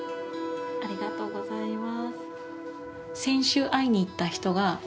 ありがとうございます。